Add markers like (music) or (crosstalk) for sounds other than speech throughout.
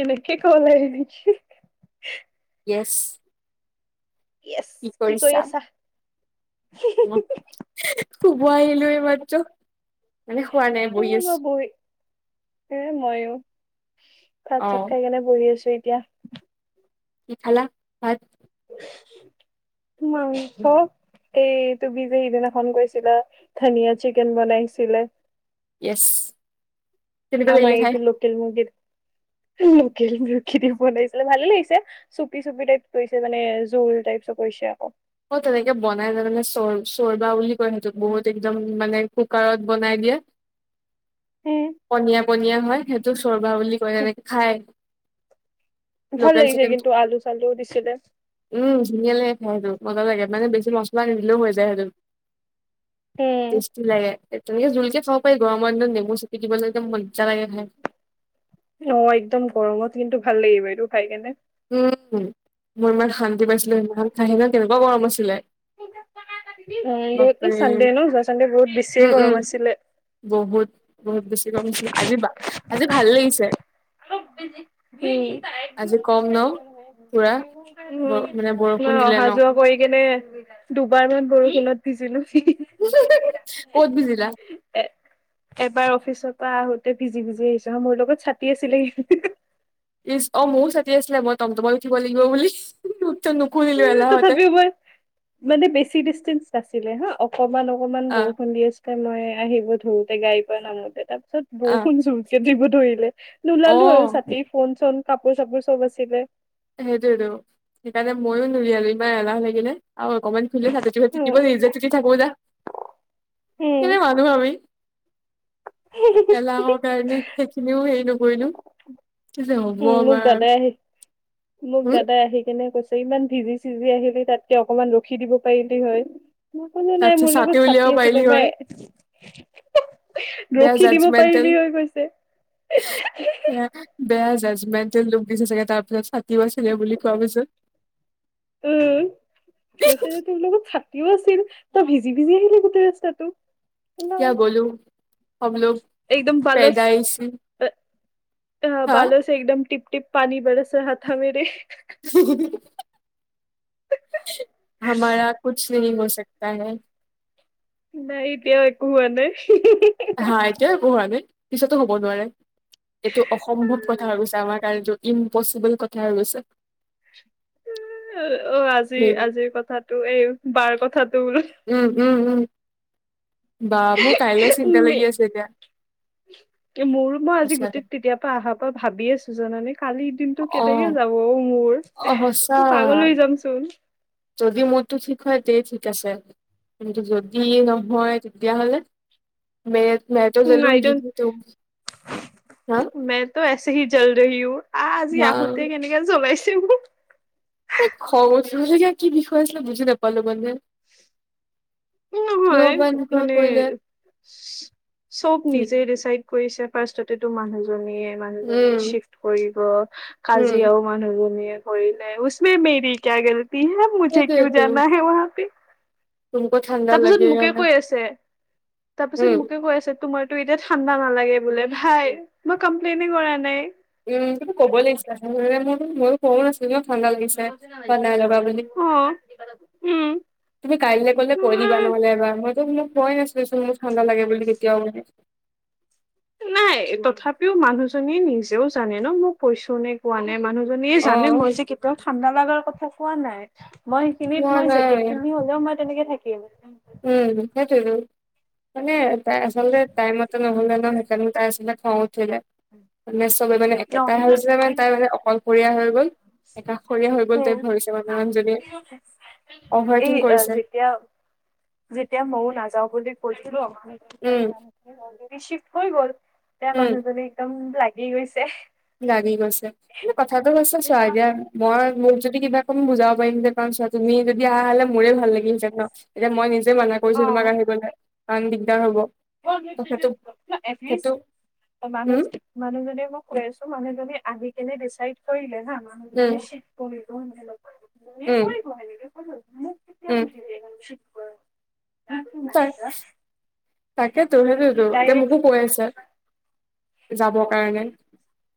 এনেকেই ক'ব লাগে নকি? য়েছ য়েছ কি কৰি কৰিছা, আছা? মই শুব আহিলোঁ এই মাত্ৰ। মানে শুৱা নাই বহি সেয়ে আছো। মই বহি, -এ মইও ভাত অ চাত খাই কেনে বহি আছোঁ এতিয়া। কি খালা? ভাত। মাংস। এই তু বি যে সিদিনাখন কৈছিলা ধনিয়া চিকেন বনাইছিলে। ইএছ আমাৰ এইটো লোকেল মুৰ্গী, লোকেল মুৰ্গী দি বনাইছিলে ভালে লাগিছে। চুপি, চুপি টাইপ কৰিছে মানে জোল টাইপ চ কৰিছে আকৌ। অ', তেনেকে বনাই যে মানে চৰ চৰ্বা বুলি কয় সিহঁ বহুত একদম মানে কুকাৰত বনাই দিয়ে। উম। পনীয়া, পনীয়া হয় সেইটো চৰ্বা বুলি কয় তেনেকে খায়। ভাল লাগিছে কিন্তু আলু চালু দিছিলে। উম ধুনীয়া লাগে, খাই সেইটো মজা লাগে মানে বেছি মছলা নিদিলেও হৈ যায় সেইটোত। উম। টেষ্টি লাগে তেনেকে জোলকে খাব পাৰি গৰমৰ দিনত নেমু চেপি দিব লাগে মজা লাগে খাই। অ', একদম গৰমত কিন্তু ভাল লাগিব এইটো খাই কেনে। উম, মই ইমান শান্তি পাইছিলোঁ সেইদিনা খাই হেনা উম কেনেকুৱা গৰম আছিলে। উম বহুত এই বাপৰে চানদে্ ন যোৱা চানদে্ বহুত বেছিয়ে উম গৰম উম আছিলে। বহুত, বহুত বেছি গৰম আছিলে আজি বা আজি ভাল লাগিছে। হম। আজি কম ন পুৰা উম, ব মানে বৰষুণ তোমাৰ দিলে অহা ন যোৱা কৰি কেনে দুবাৰ মান বৰষুণত ভিজিলো। এ ক'ত ভিজিলা এবাৰ অফিচৰ পৰা আহোতে ভিজি, ভিজি আহিছোঁ মোৰ লগত ছাতি আছিলে। ইচ অ', মোৰো চাতি আছিলে মই তম, তম তোমাক উঠিব লাগিব বুলি। নুখুলিলো উম এলাহতে তথাপিও মই মানে বেছি ডিষ্টেন্ঞ্চ দিলে হা অকমান অকমান অ বৰষুণ দি আছিলে মই আহিব ধৰোতে গাড়ীৰ পৰা নামোতে তাৰ পিছত বৰষুণ জোৰকে দিব ধৰিলে অ অ নোলালো আৰু ছাতি ফোন চোন কাপোৰ চাপোৰ চব আছিলে। সেইটোয়েটো সেইকাৰণে মইও নোলিয়ালো ইমান এলাহ লাগিলে আৰু অকমান উম, উম। (unintelligible) ভাবি (unintelligible) এলাহৰ কাৰণে সেইখিনিও হেৰি নকৰিলো কি যে হ'ব উম মোক আমাৰ। দাদাই আহি মোক হম দাদাই আহি কেনে কৈছে ইমান ভিজি চিজি আহিলি তাতকে অকমান ৰখি দিব পাৰিলি হয়। মই কোনো নাই তাতছে মোৰ লগত উলিয়াব ছাতি পাৰিলি আছিলে হয় মই বেয়া ৰখি দিব জাজমেণ্টেল পাৰিলি হৈ কৈছে। বেয়া জাষ্টমেনতেল লুক দিছে চাগে তাৰ পিছত ছাতিও আছিলে বুলি কোৱা পিছত। গৈছে যদি মোৰ লগত থাক ছাতিও আছিল তই ভিজি, ভিজি আহিলি গোটেই ৰাস্তাটো কিয়া হেল্ল' বলো হম লোগ একদম পালোঁ পেদা ইছি অ', হা বালো ছে একদম টিপ, টিপ পানী বৰচ ৰাহা থা মেৰে হমাৰা কুছ নেহি হো চাকতা হে। নাই এতিয়াও একো হোৱা নাই। হা এতিয়াও একো হোৱা নাই পিছতো হ'ব নোৱাৰে এইটো অসম্ভৱ কথা হৈ গৈছে আমাৰ কাৰণে য'ত ইম্পচিবল কথা হৈ গৈছে। অ', অ', আজি হেৰি আজিৰ কথাতটো এইবাৰ কথাটো। উম, উম, উম বা মোৰ কাইলৈ চিন্তা বোলো লাগি আছে এতিয়া। (inaudible) মোৰো মই আজি সঁচাকে গোটেই তেতিয়া পৰা অহাৰ পৰা ভাবি আছোঁ জানানে কালি দিনটো অ কেনেকে যাব মোৰ। অ', সচাঁ। উৰি যাম চোন। যদি মোৰতো ঠিক হয় তেতিয়া ঠিক আছে। কিন্তু যদি নহয় তেতিয়াহ'লে মেৰেত মেৰত্ত আই জেলুং ডণ্ট (inaudible) হা! ত এছেহি জল ৰহী হু আহ আজি আহোঁতে কেনেকে জ্বলাইছে মোক। এই খং উঠিব লগীয়া কি বিষয় আছিলে বুজি নাপালো মানে। উম! কিয় নহয় বা এনেকুৱা মানে কৰিলে চব কি নিজে ডিচাইড কৰিছে ফাৰ্ষ্টতেতো মানুহজনীয়ে মানুহজনী উম চিফ্ট কৰিব। উম কাজিয়াও মানুহজনীয়ে কৰিলে। উছমে মেৰি কিয়া গলতি হে মুঝে কিয়ু জানা হে ৱাহাপে। তোৰ কথা (inaudible) তাৰপিছত মোকে কৈ আছে। তাৰপিছত উম মোকে কৈ আছে তোমাৰ ত এতিয়া ঠাণ্ডা নালাগে বোলে। ভাই মই কমপ্লেইনেই কৰা নাই। উম! তুমিটো ক'ব লাগিছিলে মোৰ ময়ো কোৱা নাছিলো। তুমিও ঠাণ্ডা লাগিছে বা নাই লগা বুলি। অ উম তুমি কাইলৈ গ'লে কৈ দিবা নহ'লে এবাৰ। মইতো মোক কোৱাই নাছিলো চোন মোক ঠাণ্ডা লাগে বুলি কেতিয়াও বুলি। নাই তথাপিও মানুহজনীয়ে নিজেও জানে ন' মোক কৈছোঁ নে কোৱা নাই। মানুহজনীয়ে অ জানে মই যে কেতিয়াও ঠাণ্ডা লাগাৰ কথা কোৱা নাই। মই সিখিনিত কোৱা মই জেকেট নাই পিন্ধি হ'লেও মই তেনেকে থাকিম। উম! সেইটোৱেইটো। মানে তাই আচলতে টাইমত নহ'লে ন' সেইকাৰণে তাইৰ আচলতে খং উঠিলে। মানে চবে মানে অ একেটা সেইটো হৈছে মানে তাই মানে অকলশৰীয়া হৈ গ'ল। একাষৰীয়া হৈ গ'ল তাইক উম ধৰিছে মানে মানুহজনীয়ে, অভাৰ এই থিং কৰিছে। যেতিয়া যেতিয়া ম‌ইও নাযাওঁ বুলি কৈছিলোঁ উম (inaudible) ঠিক হৈ গ'ল। এতিয়া উম মানুহজনী একদম লাগি গৈছে। লাগি গৈছে। মানে কথাটো হৈছে চোৱা এতিয়া মই মোক যদি কিবা অকণ বুজাব পাৰিম যে, কাৰণ চোৱা তুমি যদি আহা হ'লে মোৰে ভাল লাগিলহেতেঁন ন'। এতিয়া মই নিজে মানা কৰিছোঁ অ', তোমাক আহিবলে, কাৰণ দিগদাৰ হ'ব। ত সেইটো (unintelligible) সেইটো এটলিষ্ট উম (inaudible) মানুহজনে মোক কৈ আছোঁ, মানুহজনী আহি কিনে ডিচাইড কৰিলে হা। মানুহজনী উম (unintelligible) (unintelligible) কৰিব উম সেনেকে কব‌ই মোক কেতিয়া উম সুধিলে (unintelligible) তাক (inaudible) তাকেতো, সেইটোৱেইটো। এতিয়া ডাইৰেক্ট মোকো কৈ আছে। যাবৰ কাৰণে।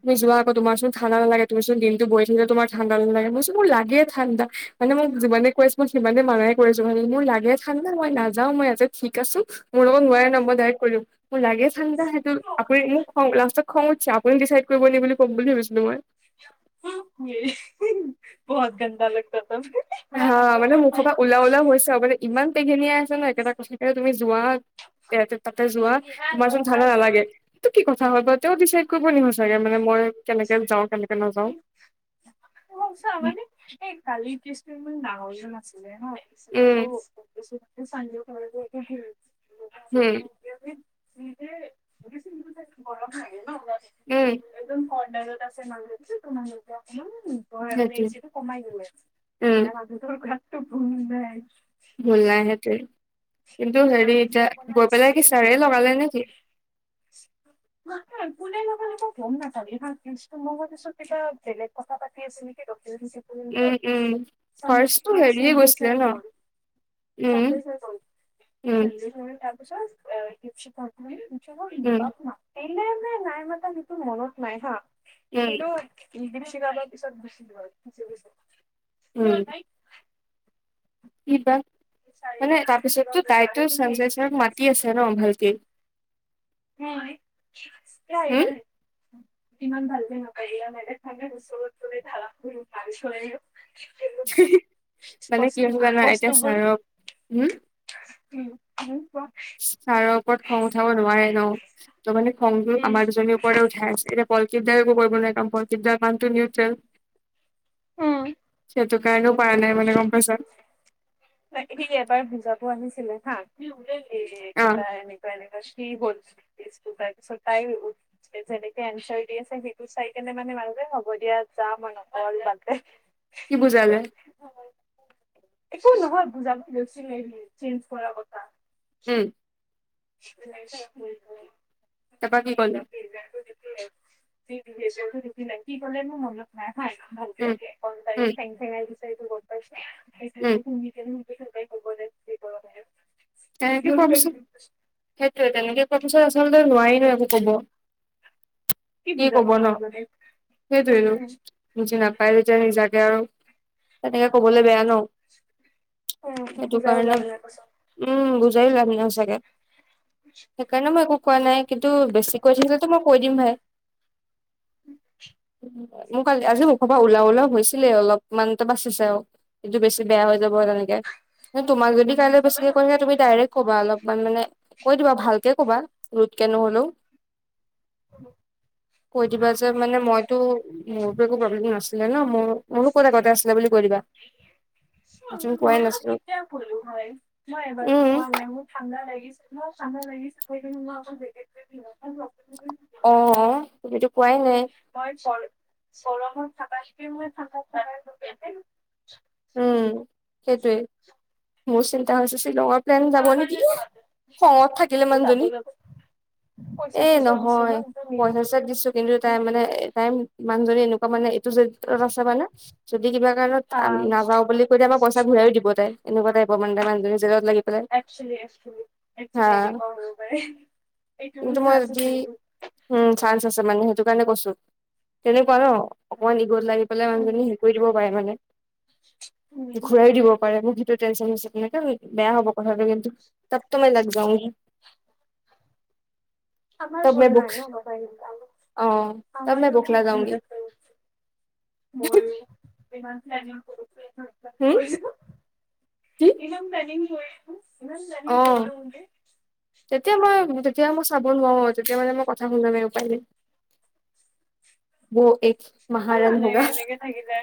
তুমি যোৱা আকৌ তোমাৰ চোন ঠাণ্ডা নালাগে। তুমি চোন দিনটো বহি থাকিলে তোমাৰ ঠাণ্ডা নালাগে। ম‌ই কৈছোঁ মোৰ লাগে ঠাণ্ডা। মানে মোক যিমানে কৈ আছে মই সিমানে মানাই কৰিছোঁ মানে। মোৰ লাগে ঠাণ্ডা, মই নাযাওঁ, মই এইয়াতে ঠিক আছোঁ। মোৰ লগত নোৱাৰে ন' ম‌ই ডায়ৰেক্ট কৈ দিওঁ। মোৰ লাগে ঠাণ্ডা সেইটো আপুনি মোক খং লাষ্টত খং উঠিছে আপুনি ডিচাইড কৰিব নেকি বুলি ক'ম বুলি ভাবিছিলোঁ মই। (inaudible) বহত গন্দা লগতা থা (unintelligible) হা মানে মুখৰ পৰা ওলাওঁ-ওলাওঁ হৈছে আৰু মানে ইমান পেঘেনিয়াই আছে ন' একেটা কথাকে তুমি যোৱা সিহঁতৰ তাতে যোৱা, তোমাৰ চোন ঠাণ্ডা নালাগে। সেইটো কি কথা হয় বা তেওঁ ডিচাইড কৰিব নি হোষ্টে (unintelligible) মানে মই কেনেকৈ যাওঁ, কেনেকৈ নাযাওঁ। মোক চা উম মানে এই কালিৰ কেচটো ইমান ডাঙৰো নাছিলে ন (inaudible) (unintelligible) হুম। (inaudible) মৰম লাগে ন তাত। উম। একদম কৰ্ণাৰত আছে (unintelligible) সেইটো অকনমান হয়। এ সেইটোৱে চিটো কমাই গৈ আছে। উম এতিয়া মানুহটোৰ গাতটো ভুল নাই। ভুল নাই। সেইটোৱে। কিন্তু হেৰি এতিয়া গৈ পেলাই কি ছাৰে লগালে নে কি? নহয়। কোনে লগালে মই গম নাপালো। এভাগ। মই ভাবিছো কিবা বেলেগ কথা পাতি আছে নেকি। ডকো উম। উম। ফাৰ্ষ্টটো হেৰিয়ে গৈছিলে ন? উম সংদেশে কৰিছিলে। উম সংদেশ ছাৰে। তাৰ পিছত দীপশিখা (unintelligible) উম। এনে এনে নাই মতা দেখোন। সেইটো মনত নাই হা। উম কিন্তু ই (unintelligible) পিছত গুছি গল। কিয় উম নাই? কি বা। মানে তাৰপিছততো তাইতো সঞ্জয়ছাৰক মাতি আছে ন ভালকেই। হয়। উম ইমান ভালকে নাপায় দিয়া। বেলেগফালে ওচৰত গলে ধাৰাপুৰ, গাড়ী চলাইহে হি হি মানে কি বস্তু হৈছে জানা এতিয়া ছাৰক, হুম? হুম। হুম, কোৱা। ছাৰৰ ওপৰত খং উঠাব নোৱাৰে ন। ত', মানে খংটো আমাৰ দুজনীৰ ওপৰতে উঠাই আছে। এতিয়া পলকিত দাও একো কৰিব নোৱাৰে। কাৰণ পলকিত দাৰ কামটো নিউট্ৰেল সেইটো কাৰণেও পাৰা নাই মানে। গম পাইছ? তা এতা সি এবাৰ বুজাব আহিছিলে হা এ অ ইহঁতকেইটা এনেকুৱা- এনেকুৱা। কি বছ। তাৰপিছত তাই- - যেনেকে এনচাৰ দি আছে, সেইটো চাই কেনে মানে মানুহটোৱে, হ'ব দিয়া যাম আৰু অকনমান (unintelligible) এহ। কি বুজালে? একো নহয়, বুজাব লৈছিলে চেঞ্জ কৰা কথা উম। ভাললাগিছেনে তাৰপা কি নাই ক'লে কৰি পেলাই, (unintelligible) যি (unintelligible) নাই। কি ক'লেনো মনক? নাই হা উম, ভালকে। কোন তাৰিখ। উম, থেং থেংআই বিছাৰিছো গম পাইছে। উম। (unintelligible) সেইটোৱে। তেনেকে কোৱাৰ পিছত আচলতে নোৱাৰি ন একো কব। কি ক'ব বুজাবা ন মানুহজনীক? সেইটোয়েতো তাকে। বুজি নাপাই যেতিয়া নিজাকে আৰু। তেনেকে কবলৈ বেয়া ন। বুজাই ওলাব সেইটোকাৰণে পাছত উম। বুজাইয়ো লাভ নাই সচাকে। সেইকাৰণে মই একো কোৱা নাই। কিন্তু বেছি কৈ থাকিলেতো মই কৈ দিম ভাই মোক কালি, আজি মুখৰ পৰা ওলাও- ওলাও হৈছি লেই অলপমানতো বাচিছে আৰু। এইটো বেছি বেয়া হৈ যাব। তেনেকে নাই। তোমাক যদি কাইলে বেছিকে কৈ থাকে। তুমি ডাইৰেক্ট কবা, অলপমান মানে। কৈ দিবা ভালকে কবা। ৰোদকে নহলেও (inaudible) কৈ দিবা যে মানে মইতো, মোৰটো একো প্ৰব্লেম নাছিলে ন। মোৰ মোৰনো ক'ত, আগতে আছিলে বুলি কৈ দিবা। মইচোন আপোনাক কোৱাই মইনো নাছিলো কেতিয়া কলো হয়, মই এবাৰো উম কোৱা নাই। মোৰ ঠাণ্ডা লাগিছে মই ঠাণ্ডা লাগিছে কৈ কেনে, মই আপোনাক জেকেটটোৱে অ তুমিতো কোৱাই নাই মই চল চলমত থকা শি মই ঠাণ্ডা উম সেইটোৱে মোৰ চিন্তা হৈছে শ্বিলঙ পেন যাব নেকি খঙত থাকিলে মানুজনী যাবলৈ পইচা চুচা দিছ ন একম পইচা- চাইছা দিছো কিন্তু তাই মানে তাই মানুহজনী এনেকুৱা মানে এইটো জড়িত আছে মানে যদি কিবা কাৰণত আম নাযাওঁ বুলি কৈ দিয়ে বা পইচা ঘূৰাইও দিব তাই এনেকুৱা টাইপৰ মানে তাই মানুহজনী জেদত লাগিব একচ একচ এক ব প বাৰে এইটো কিন্তু মই চান্ছ যদি আছে উম চান্স আছে মানে সেইটো কাৰণে কৈছো তেনেকুৱা ন অকণমান ইগত লাগি পেলাই মানুহজনী সেই কৰি দিব পাৰে মানে ঘূৰাই দিব পাৰে মোক সেইটো টেনশচন হৈছে তেনেকে বেয়া হ'ব কথাটো কিন্তু তাতটো মই লাগ যাওঁ আমাৰ ভুল নাই ন অ বাব তব আমাৰ মই নোঁ কি বখলা যাওঁগি ভূল আছে মই ইমান (inaudible) ইমান প্লানিং কৰি হুম কি ইমান অ প্লেনিং কৰিলো নি তেতিয়া মই তেতিয়া মই চাব নোৱাৰো তেতিয়া মানে মই কথা শুনামেই উপায় নাই ব এক ভাল মাহাৰান নালাগে হৌগা এনেকে থাকিলে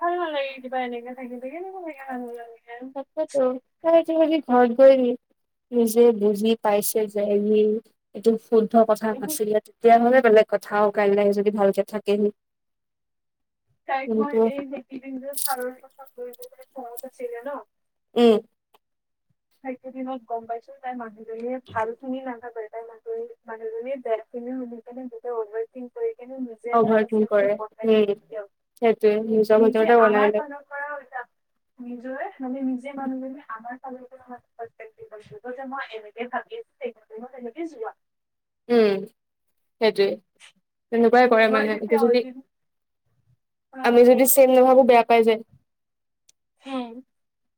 ভাল ভাল নালাগে কিবা এনেকে থাকি থাকি কেনেক থাকে (inaudible) থাকো ত আজি কালি ঘৰত গৈ নিজে বুজি পাইছে যে সি এইটো শুদ্ধ কথা নাছিলে তেতিয়াহলে বেলেগ কথা কাইলৈ যদি ভালকে থাকেহি তাইক মই এই সেইকিদিন যে চাৰৰ গৈ ঘৰত আছিলে ন। উম। টাইক দিনত গম পাইছো, তাই মানুহজনীয়ে ভাল খিনি লাগ বটা ম মৰে বেনুনে ব ভিং কৰি কেনে এটা অভাৰ থিং হস্তক্ষেপ কৰে। বনাই উম, ল'ব কেতিয়াবা সেইটোয়ে নিজৰ ভিতৰতে বনাই লৈ। হৈ, য, নিজৰে আমি নিজে মানুহ বুলি আমাৰ ফালে যে মই এনে কেই ভাবি আছো, তেই ম-মই তেনে কই যোৱা। উম, সেইটোৱে তেনেকুৱাই কৰে মই মানে তেতিয়া এতিয়া যদি অলৰেডি আমি যদি ছেম নাভাবো বেয়া পাই যায়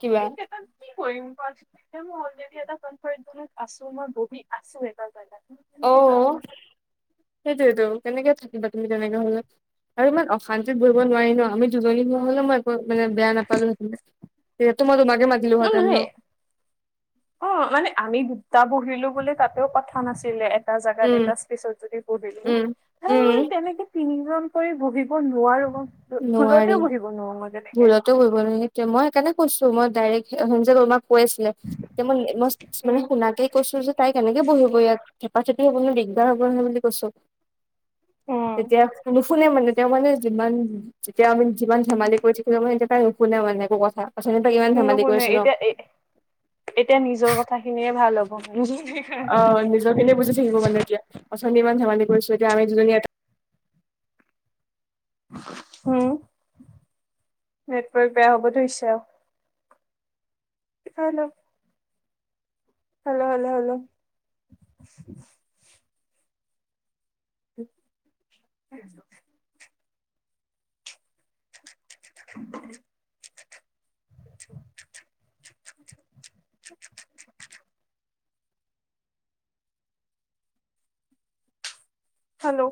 কিবা। কি কৰিম কো মই অলৰেডি এটা কনফাৰ্ট জত আছো, মই বহি আছো এটা জগাত অ কেনেকৈ যাম। সেইটোয়েতো কেনেকে থাকিবা তুমি তেনেকে হলে। আৰু ইমান অশান্তিত বহিব নোৱাৰি ন, আমি দুজনী হোৱা হলেও মমা মানে বেয়া নাপালোহেঁতে তেতিয়া তো মই তোমাকে অ মাতিলোহেঁতেন ন নহয় অ মানে আমি দুটা বহিলো বুলি তাতেও কথা নাছিলে এটা জেগাত উম এটা পিছত যদি বহিদিলো উম নাই উম মই তেনেকে তিনিজন কৰি বহিব নোৱাৰো। নোৱাৰি ভুলতেও বহিব নোৱাৰো মই তেনেকে ভুলতো বহিব নোৱাৰি। মই সেইকাৰণে কৈছো, মই ডাইৰেক্ট যে বমাক কৈ আছিলে, তেয়া মই, মই উম মানে শুনাকে কৈছো যে তাই কেনেকে বহিব ইয়াত, থেপা থেতি হব, নহয়। দিগদাৰ হ'ব নহয় বুলি কৈছো। উম তেতিয়া নুশুনে মানে তেওঁ মানে যিমান তেতিয়া আমি যিমান ধেমালি কৰি থাকিলেও তাই নুশুনাই মানে একো কথা অথনি পা ইমান ধেমালি নুশুনে কৰিছো ন। এতিয়া এ এতিয়া নিজৰ কথা খিনিয়ে ভাল হ'ব। অ, নিজৰ খিনি বুজি থাকিব মানে এতিয়া অথনি ইমান ধেমালি কৰিছো এতিয়া আমি দুজনী। উম, নেটৱৰ্ক বেয়া হ'ব ধৰিছে আৰু। Hello. Hello, hello, hello. (inaudible) (inaudible) (inaudible) (inaudible) Hello?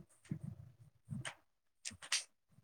(inaudible)